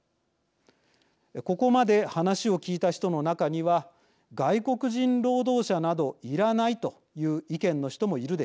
ここまで話を聞いた人の中には外国人労働者などいらないという意見の人もいるでしょう。